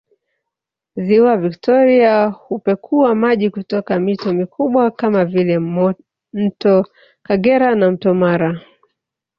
Ziwa Victoria hupokea maji kutoka mito mikubwa kama vile mto Kagera na mto Mara